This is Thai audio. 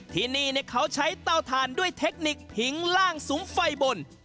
ที่นี่เขาใช้เตาถ่านด้วยเทคนิคผิงล่างสุมไฟบน